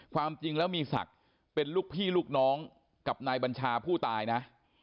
ความจริงแล้วมีศักดิ์เป็นลูกพี่ลูกน้องกับนายบัญชาผู้ตายนะ